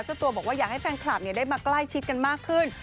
เจ้าตัวบอกว่าอยากให้แฟนคลับได้มาใกล้ชิดกันมากขึ้น